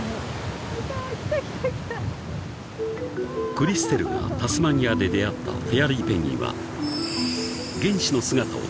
［クリステルがタスマニアで出合ったフェアリーペンギンは原始の姿をとどめている］